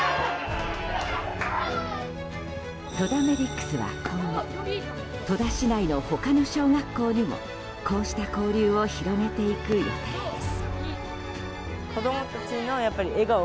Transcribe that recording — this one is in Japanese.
戸田メディックスは、今後戸田市内の他の小学校にもこうした交流を広げていく予定です。